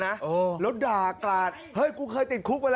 น้ำแข็งหลบ